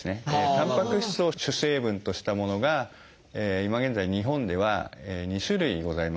タンパク質を主成分としたものが今現在日本では２種類ございます。